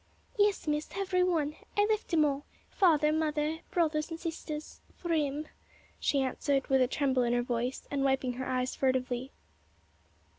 "Yes, Miss; hevery one; I left 'em all father, mother, brothers and sisters for 'im," she answered with a tremble in her voice and wiping her eyes furtively.